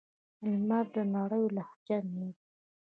لمر؛ ترينو لهجه مير